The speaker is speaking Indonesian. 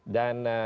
dan kita berpikir